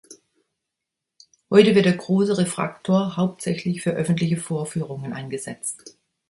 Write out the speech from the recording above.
Heute wird der große Refraktor hauptsächlich für öffentliche Vorführungen eingesetzt.